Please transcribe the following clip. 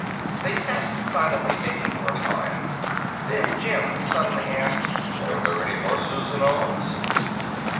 They sat silently thinking for a time. Then Jim suddenly asked: "Are there any horses in Oz?"